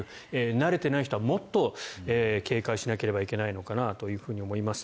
慣れてない人はもっと警戒しなければいけないのかなと思います。